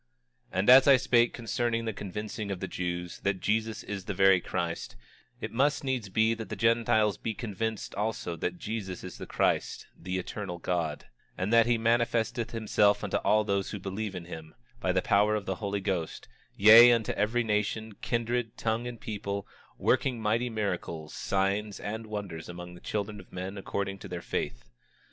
26:12 And as I spake concerning the convincing of the Jews, that Jesus is the very Christ, it must needs be that the Gentiles be convinced also that Jesus is the Christ, the Eternal God; 26:13 And that he manifesteth himself unto all those who believe in him, by the power of the Holy Ghost; yea, unto every nation, kindred, tongue, and people, working mighty miracles, signs, and wonders, among the children of men according to their faith.